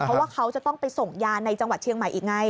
เพราะว่าเขาจะต้องไปส่งยาในจังหวัดเชียงใหม่อีกไง